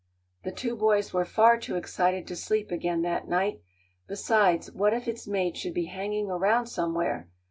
The two boys were far too excited to sleep again that night; besides, what if its mate should be hanging around somewhere!